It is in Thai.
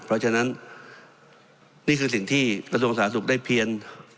เพราะฉะนั้นนี่คือสิ่งที่กระทรวงสาธารสุขได้เพียง